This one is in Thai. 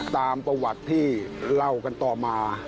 ตามประวัติที่เล่ากันต่อมา